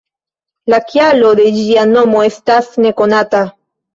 La kialo de ĝia nomo estas nekonata...